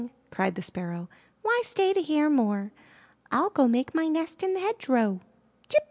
cried the Sparrow. Why stay to hear more? Til go make my nest in the hedgerow.' ''Chip!